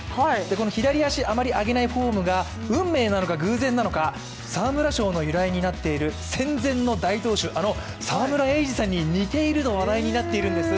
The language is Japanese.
この左足、あまり上げないフォームが運命なのか偶然なのか、沢村賞の由来になっている戦前の大投手、あの沢村栄治さんに似ていると話題になっているんです。